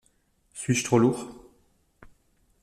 Suis-je trop lourd?